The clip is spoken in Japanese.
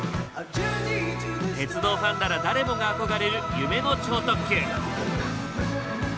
鉄道ファンなら誰もが憧れる夢の超特急。